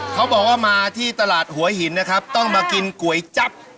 เขาบอกว่ามาที่ตลาดหัวหินนะครับต้องมากินก๋วยจับ